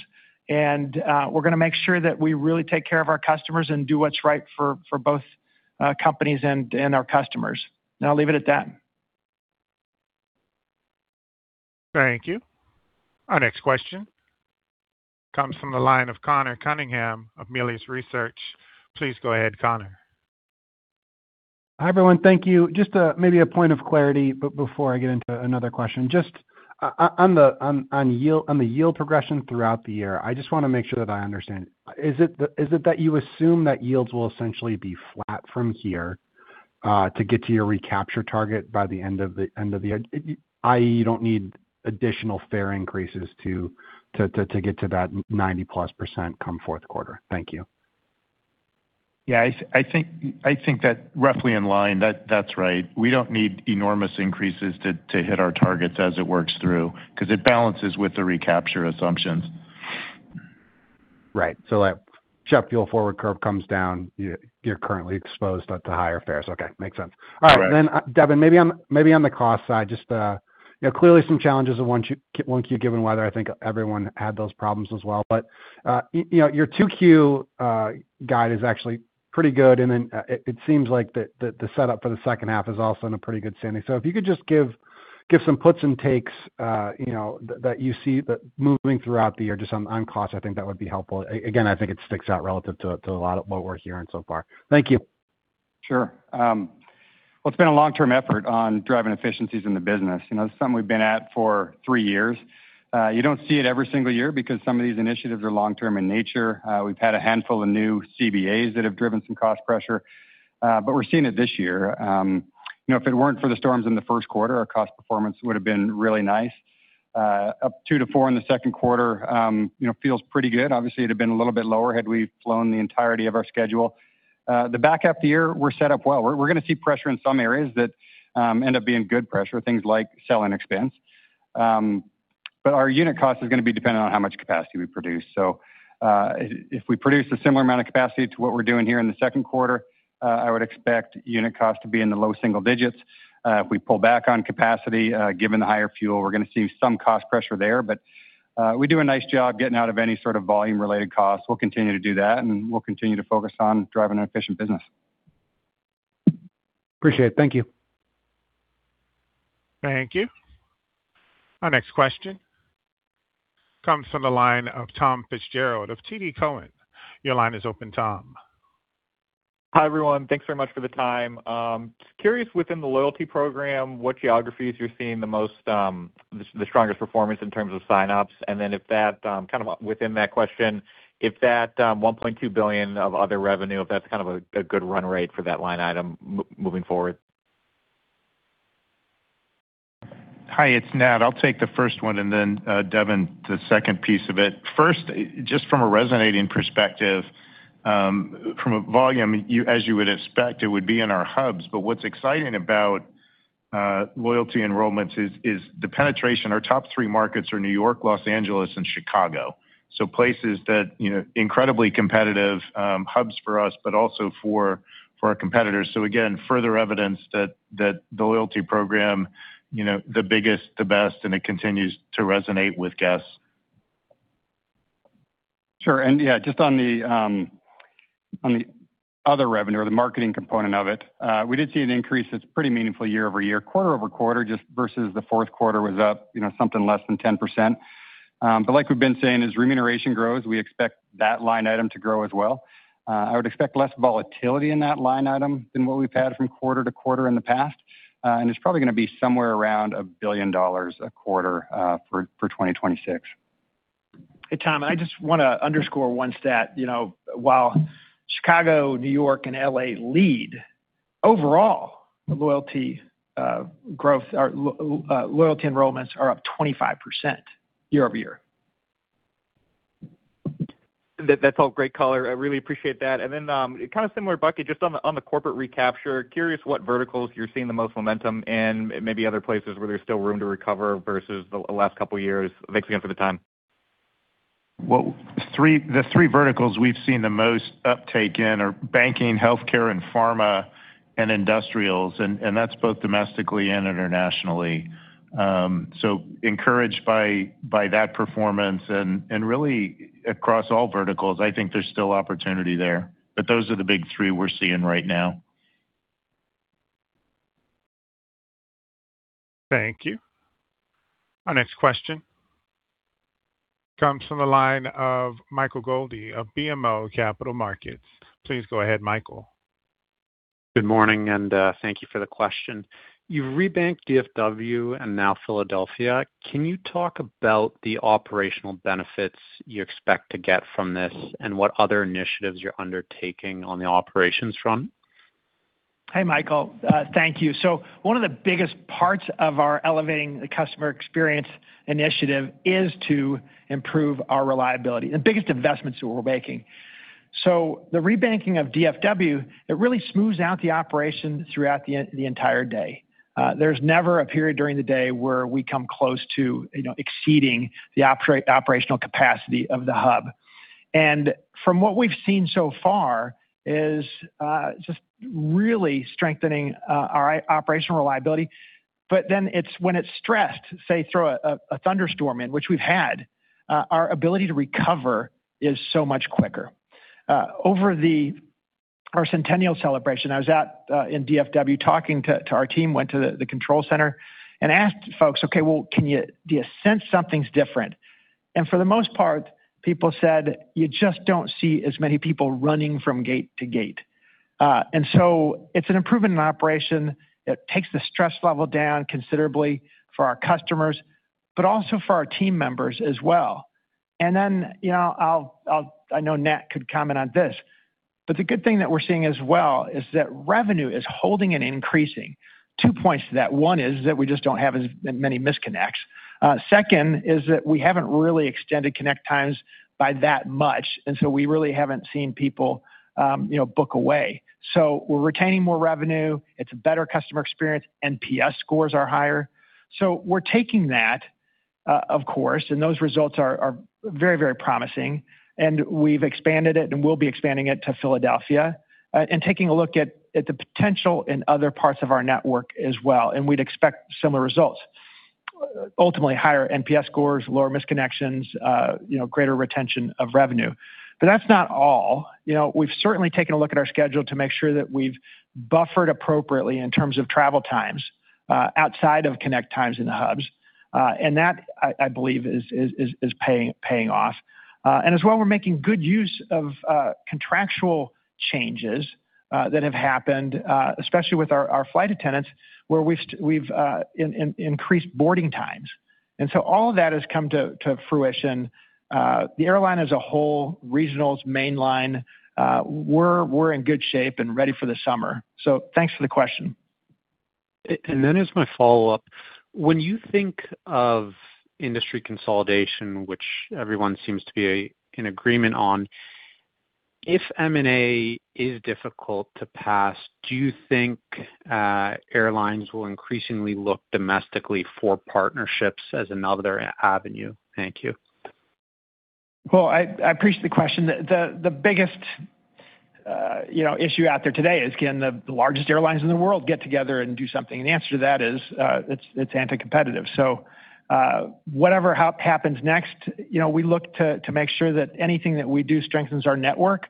and we're going to make sure that we really take care of our customers and do what's right for both companies and our customers. I'll leave it at that. Thank you. Our next question comes from the line of Conor Cunningham of Melius Research. Please go ahead, Conor. Hi, everyone. Thank you. Just maybe a point of clarity before I get into another question. Just on the yield progression throughout the year, I just want to make sure that I understand. Is it that you assume that yields will essentially be flat from here to get to your recapture target by the end of the year, i.e., you don't need additional fare increases to get to that 90%+ come fourth quarter? Thank you. Yeah, I think that roughly in line, that's right. We don't need enormous increases to hit our targets as it works through because it balances with the recapture assumptions. Right. Like jet fuel forward curve comes down, you're currently exposed at the higher fares. Okay. Makes sense. Correct. All right. Then, Devon, maybe on the cost side, just clearly some challenges with 1Q given weather. I think everyone had those problems as well. Your 2Q guide is actually pretty good, and then it seems like the setup for the second half is also in a pretty good standing. If you could just give some puts and takes that you see that moving throughout the year, just on cost, I think that would be helpful. Again, I think it sticks out relative to a lot of what we're hearing so far. Thank you. Sure. Well, it's been a long-term effort on driving efficiencies in the business. It's something we've been at for three years. You don't see it every single year because some of these initiatives are long-term in nature. We've had a handful of new CBAs that have driven some cost pressure, but we're seeing it this year. If it weren't for the storms in the first quarter, our cost performance would have been really nice. Up 2%-4% in the second quarter feels pretty good. Obviously, it had been a little bit lower had we flown the entirety of our schedule. The back half of the year, we're set up well. We're going to see pressure in some areas that end up being good pressure, things like selling expense. But our unit cost is going to be dependent on how much capacity we produce. If we produce a similar amount of capacity to what we're doing here in the second quarter, I would expect unit cost to be in the low single digits. If we pull back on capacity, given the higher fuel, we're going to see some cost pressure there, but we do a nice job getting out of any sort of volume-related costs. We'll continue to do that, and we'll continue to focus on driving an efficient business. Appreciate it. Thank you. Thank you. Our next question comes from the line of Tom Fitzgerald of TD Cowen. Your line is open, Tom. Hi, everyone. Thanks very much for the time. I'm curious within the loyalty program what geographies you're seeing the most, the strongest performance in terms of sign-ups, and then if that, kind of within that question, if that $1.2 billion of other revenue, if that's kind of a good run rate for that line item moving forward? Hi, it's Nat. I'll take the first one, and then Devon, the second piece of it. First, just from a resonance perspective, from a volume, as you would expect, it would be in our hubs. What's exciting about loyalty enrollments is the penetration. Our top three markets are New York, Los Angeles, and Chicago. Places that, incredibly competitive hubs for us, but also for our competitors. Again, further evidence that the loyalty program, the biggest, the best, and it continues to resonate with guests. Sure. Yeah, just on the other revenue or the marketing component of it, we did see an increase that's pretty meaningful year-over-year. Quarter-over-quarter, just versus the fourth quarter was up, something less than 10%. Like we've been saying, as remuneration grows, we expect that line item to grow as well. I would expect less volatility in that line item than what we've had from quarter to quarter in the past. It's probably going to be somewhere around $1 billion a quarter for 2026. Hey, Tom, I just want to underscore one stat. While Chicago, New York, and L.A. lead, overall, loyalty enrollments are up 25% year-over-year. That's all great color. I really appreciate that. Then, similar bucket, just on the Corporate recapture, curious what verticals you're seeing the most momentum and maybe other places where there's still room to recover versus the last couple of years. Thanks again for the time. Well, the three verticals we've seen the most uptake in are Banking, Healthcare and Pharma, and Industrials, and that's both domestically and internationally. Encouraged by that performance and really across all verticals. I think there's still opportunity there, but those are the big three we're seeing right now. Thank you. Our next question comes from the line of Michael Goldie of BMO Capital Markets. Please go ahead, Michael. Good morning, and thank you for the question. You've rebanked DFW and now Philadelphia. Can you talk about the operational benefits you expect to get from this and what other initiatives you're undertaking on the operations front? Hey, Michael. Thank you. One of the biggest parts of our Elevating the Customer Experience initiative is to improve our reliability, the biggest investments that we're making. The rebanking of DFW, it really smooths out the operation throughout the entire day. There's never a period during the day where we come close to exceeding the operational capacity of the hub. From what we've seen so far is just really strengthening our operational reliability. Then when it's stressed, say, throw a thunderstorm in, which we've had, our ability to recover is so much quicker. Over our centennial celebration, I was out in DFW talking to our team, went to the control center and asked folks, "Okay, well, do you sense something's different?" For the most part, people said, you just don't see as many people running from gate to gate. It's an improvement in operation that takes the stress level down considerably for our customers, but also for our team members as well. I know Nat could comment on this, but the good thing that we're seeing as well is that revenue is holding and increasing. Two points to that. One is that we just don't have as many misconnects. Second is that we haven't really extended connect times by that much, and so we really haven't seen people book away. We're retaining more revenue. It's a better customer experience. NPS scores are higher. We're taking that, of course, and those results are very promising. We've expanded it and we'll be expanding it to Philadelphia and taking a look at the potential in other parts of our network as well, and we'd expect similar results. Ultimately, higher NPS scores, lower misconnections, greater retention of revenue. That's not all. We've certainly taken a look at our schedule to make sure that we've buffered appropriately in terms of travel times outside of connect times in the hubs. That, I believe, is paying off. As well, we're making good use of contractual changes that have happened, especially with our flight attendants, where we've increased boarding times. All of that has come to fruition. The airline as a whole, regionals, mainline, we're in good shape and ready for the summer. Thanks for the question. As my follow-up, when you think of industry consolidation, which everyone seems to be in agreement on, if M&A is difficult to pass, do you think airlines will increasingly look domestically for partnerships as another avenue? Thank you. Well, I appreciate the question. The biggest issue out there today is, can the largest airlines in the world get together and do something? The answer to that is, it's anti-competitive. Whatever happens next, we look to make sure that anything that we do strengthens our network.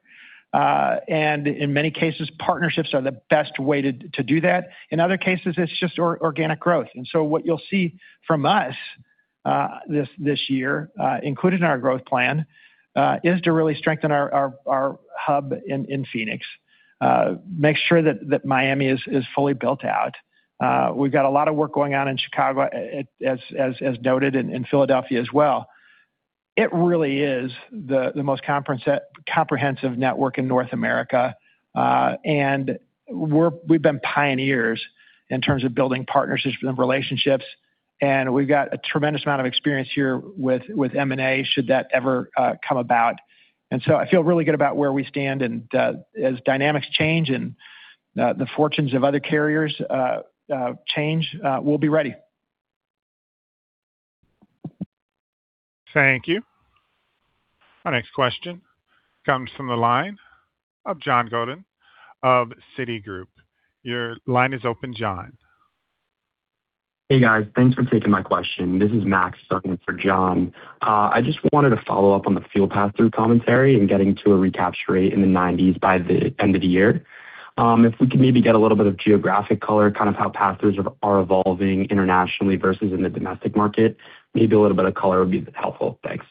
In many cases, partnerships are the best way to do that. In other cases, it's just organic growth. What you'll see from us this year, included in our growth plan, is to really strengthen our hub in Phoenix. Make sure that Miami is fully built out. We've got a lot of work going on in Chicago as noted, and in Philadelphia as well. It really is the most comprehensive network in North America. We've been pioneers in terms of building partnerships and relationships, and we've got a tremendous amount of experience here with M&A, should that ever come about. I feel really good about where we stand and as dynamics change and the fortunes of other carriers change, we'll be ready. Thank you. Our next question comes from the line of John Godyn of Citigroup. Your line is open, John. Hey, guys. Thanks for taking my question. This is Max sitting for John. I just wanted to follow up on the fuel pass-through commentary and getting to a recapture rate in the 90s% by the end of the year. If we could maybe get a little bit of geographic color, kind of how pass-throughs are evolving internationally versus in the domestic market. Maybe a little bit of color would be helpful. Thanks.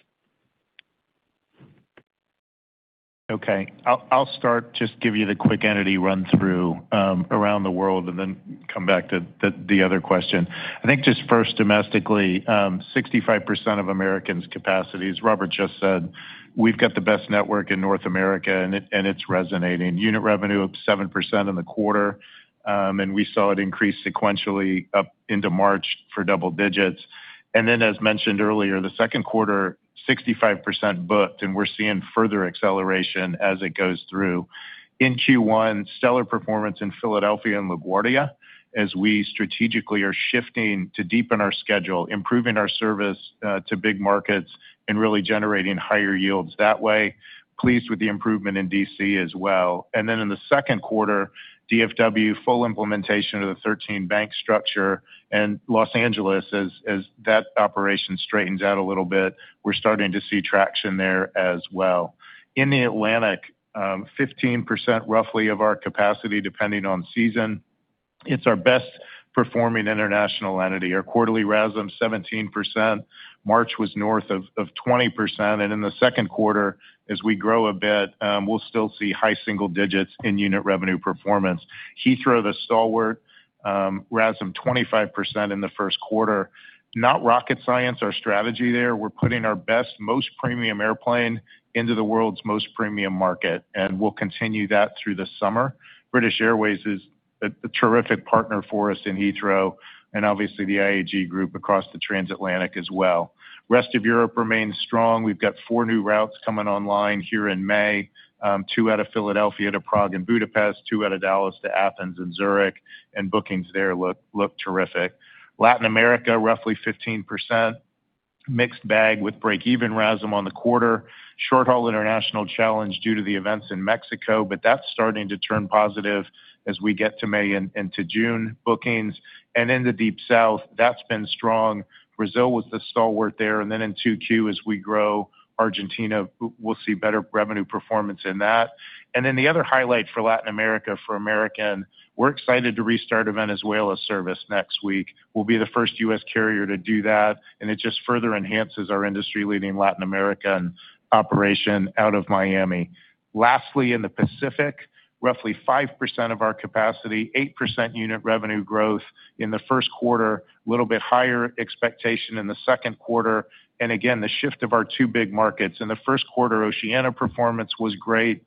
Okay. I'll start, just give you the quick itinerary run through around the world and then come back to the other question. I think just first domestically, 65% of American's capacities. Robert just said we've got the best network in North America, and it's resonating. Unit revenue up 7% in the quarter, and we saw it increase sequentially up into March for double digits. Then as mentioned earlier, the second quarter, 65% booked, and we're seeing further acceleration as it goes through. In Q1, stellar performance in Philadelphia and LaGuardia, as we strategically are shifting to deepen our schedule, improving our service to big markets and really generating higher yields that way. Pleased with the improvement in D.C. as well. Then in the second quarter, DFW full implementation of the 13 bank structure and Los Angeles as that operation straightens out a little bit, we're starting to see traction there as well. In the Atlantic, 15% roughly of our capacity, depending on season. It's our best-performing international entity. Our quarterly RASM 17%. March was north of 20% and in the second quarter, as we grow a bit, we'll still see high single digits in unit revenue performance. Heathrow, the stalwart, RASM 25% in the first quarter. Not rocket science, our strategy there. We're putting our best, most premium airplane into the world's most premium market, and we'll continue that through the summer. British Airways is a terrific partner for us in Heathrow and obviously the IAG group across the transatlantic as well. Rest of Europe remains strong. We've got four new routes coming online here in May. Two out of Philadelphia to Prague and Budapest, two out of Dallas to Athens and Zurich. Bookings there look terrific. Latin America, roughly 15%. Mixed bag with break-even RASM on the quarter. Short-haul international challenge due to the events in Mexico, but that's starting to turn positive as we get to May and to June bookings. In the Deep South, that's been strong. Brazil was the stalwart there. In 2Q, as we grow Argentina, we'll see better revenue performance in that. The other highlight for Latin America, for American, we're excited to restart a Venezuela service next week. We'll be the first U.S. carrier to do that, and it just further enhances our industry-leading Latin American operation out of Miami. Lastly, in the Pacific, roughly 5% of our capacity, 8% unit revenue growth in the first quarter, little bit higher expectation in the second quarter. Again, the shift of our two big markets. In the first quarter, Oceania performance was great.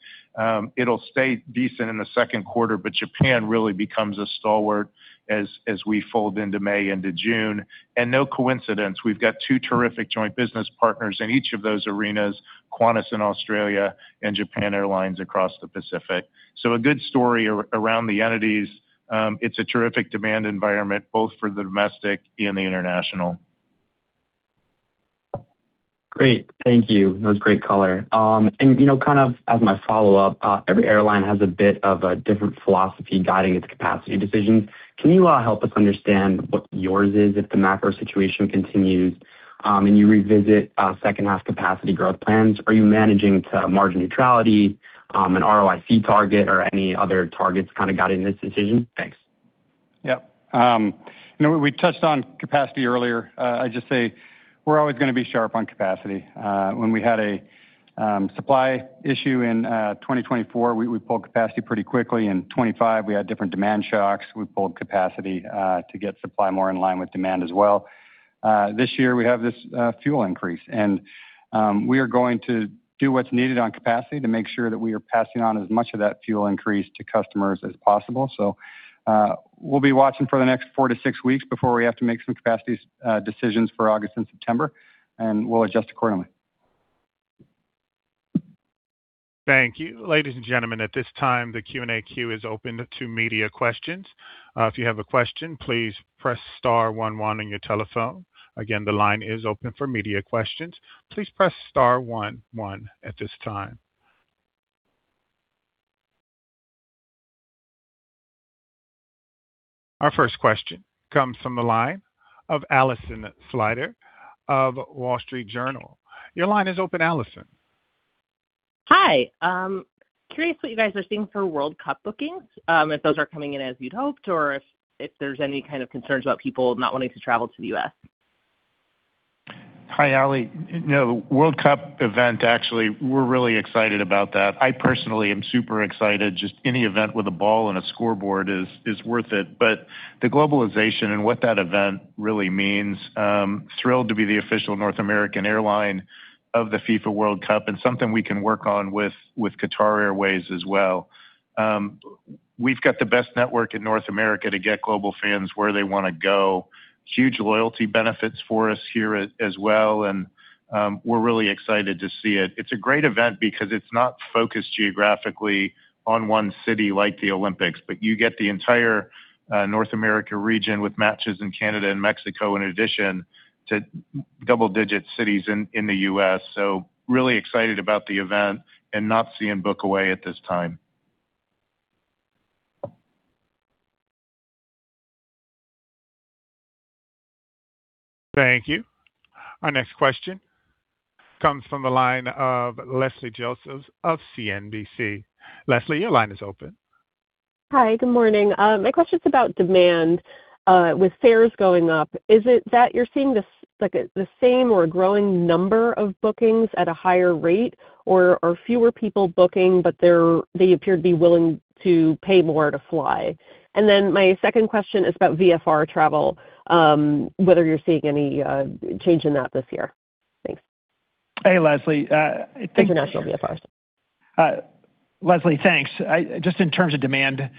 It'll stay decent in the second quarter, but Japan really becomes a stalwart as we fold into May, into June. No coincidence, we've got 2 terrific joint business partners in each of those arenas, Qantas in Australia and Japan Airlines across the Pacific. A good story around the entities. It's a terrific demand environment both for the domestic and the international. Great. Thank you. That was great color. Kind of as my follow-up, every airline has a bit of a different philosophy guiding its capacity decisions. Can you help us understand what yours is if the macro situation continues, and you revisit second half capacity growth plans? Are you managing to margin neutrality, an ROIC target or any other targets kind of guiding this decision? Thanks. Yep. We touched on capacity earlier. I'd just say we're always going to be sharp on capacity. When we had a supply issue in 2024, we pulled capacity pretty quickly. In 2025, we had different demand shocks. We pulled capacity to get supply more in line with demand as well. This year we have this fuel increase, and we are going to do what's needed on capacity to make sure that we are passing on as much of that fuel increase to customers as possible. We'll be watching for the next 4-6 weeks before we have to make some capacity decisions for August and September, and we'll adjust accordingly. Thank you. Ladies and gentlemen, at this time the Q&A queue is open to media questions. If you have a question, please press star one one on your telephone. Again, the line is open for media questions. Please press star one one at this time. Our first question comes from the line of Alison Sider of The Wall Street Journal. Your line is open, Alison. Hi. Curious what you guys are seeing for World Cup bookings, if those are coming in as you'd hoped or if there's any kind of concerns about people not wanting to travel to the U.S.? Hi, Ali. World Cup event actually, we're really excited about that. I personally am super excited. Just any event with a ball and a scoreboard is worth it. The globalization and what that event really means, I'm thrilled to be the official North American airline of the FIFA World Cup, and something we can work on with Qatar Airways as well. We've got the best network in North America to get global fans where they want to go. Huge loyalty benefits for us here as well, and we're really excited to see it. It's a great event because it's not focused geographically on one city like the Olympics, but you get the entire North America region with matches in Canada and Mexico, in addition to double-digit cities in the U.S. Really excited about the event and not seeing bookings away at this time. Thank you. Our next question comes from the line of Leslie Josephs of CNBC. Leslie, your line is open. Hi, good morning. My question's about demand with fares going up. Is it that you're seeing the same or a growing number of bookings at a higher rate or fewer people booking, but they appear to be willing to pay more to fly? My second question is about VFR travel, whether you're seeing any change in that this year. Thanks. Hey, Leslie. International VFR, sorry. Leslie, thanks. Just in terms of demand,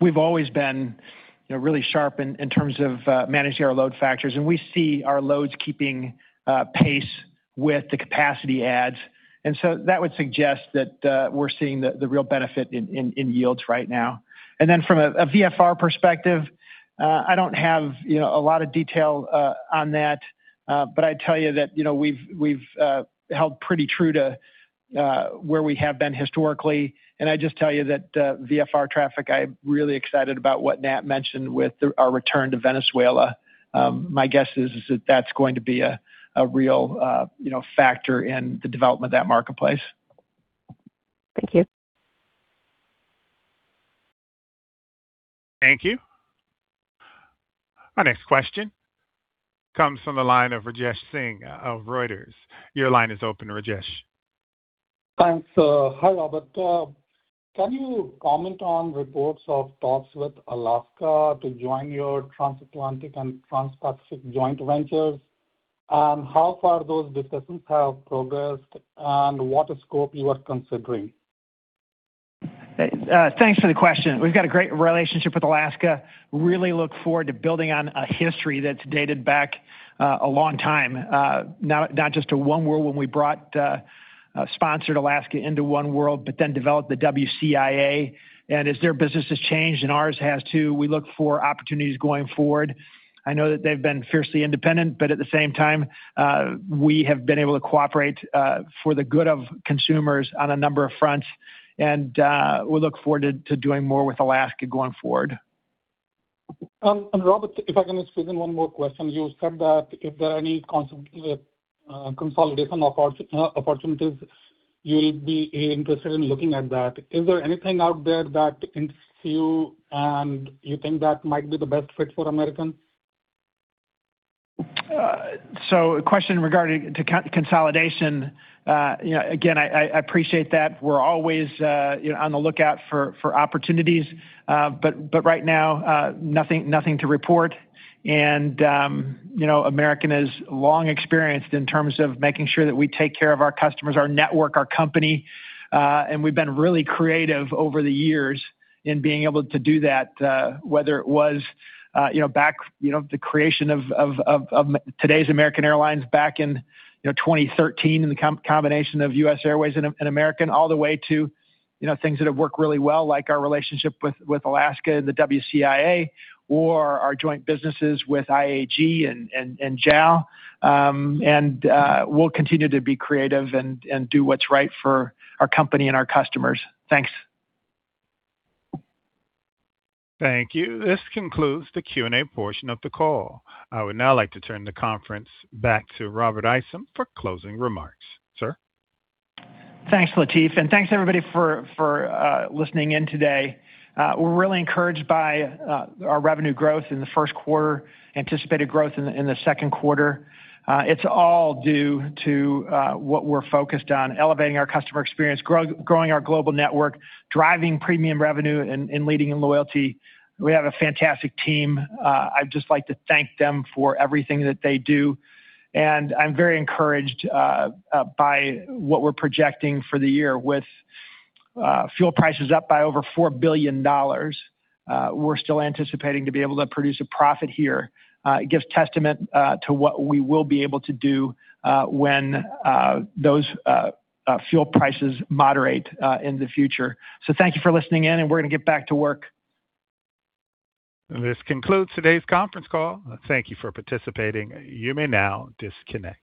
we've always been really sharp in terms of managing our load factors, and we see our loads keeping pace with the capacity adds. That would suggest that we're seeing the real benefit in yields right now. From a VFR perspective, I don't have a lot of detail on that. I'd tell you that we've held pretty true to where we have been historically, and I'd just tell you that VFR traffic, I'm really excited about what Nat mentioned with our return to Venezuela. My guess is that that's going to be a real factor in the development of that marketplace. Thank you. Thank you. Our next question comes from the line of Rajesh Singh of Reuters. Your line is open, Rajesh. Thanks. Hi, Robert. Can you comment on reports of talks with Alaska to join your transatlantic and transpacific joint ventures, and how far those discussions have progressed and what scope you are considering? Thanks for the question. We've got a great relationship with Alaska. Really look forward to building on a history that's dated back a long time. Not just to oneworld when we brought, sponsored Alaska into oneworld, but then developed the WCIA. As their business has changed, and ours has too, we look for opportunities going forward. I know that they've been fiercely independent, but at the same time, we have been able to cooperate, for the good of consumers on a number of fronts. We look forward to doing more with Alaska going forward. Robert, if I can squeeze in one more question. You said that if there are any consolidation opportunities, you'll be interested in looking at that. Is there anything out there that interests you, and you think that might be the best fit for American? A question regarding to consolidation. Again, I appreciate that. We're always on the lookout for opportunities. Right now, nothing to report. American is long experienced in terms of making sure that we take care of our customers, our network, our company. We've been really creative over the years in being able to do that, whether it was the creation of today's American Airlines back in 2013, and the combination of US Airways and American, all the way to things that have worked really well, like our relationship with Alaska and the WCIA or our joint businesses with IAG and JAL. We'll continue to be creative and do what's right for our company and our customers. Thanks. Thank you. This concludes the Q&A portion of the call. I would now like to turn the conference back to Robert Isom for closing remarks. Sir. Thanks, Latif, and thanks everybody for listening in today. We're really encouraged by our revenue growth in the first quarter, anticipated growth in the second quarter. It's all due to what we're focused on, elevating our customer experience, growing our global network, driving premium revenue, and leading in loyalty. We have a fantastic team. I'd just like to thank them for everything that they do. I'm very encouraged by what we're projecting for the year with fuel prices up by over $4 billion. We're still anticipating to be able to produce a profit here. It gives testament to what we will be able to do when those fuel prices moderate in the future. Thank you for listening in, and we're going to get back to work. This concludes today's conference call. Thank you for participating. You may now disconnect.